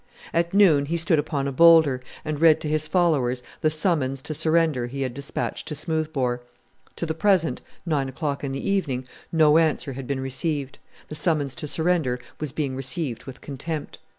At noon he stood upon a boulder, and read to his followers the summons to surrender he had dispatched to Smoothbore. To the present nine o'clock in the evening no answer had been received, the summons to surrender was being received with contempt.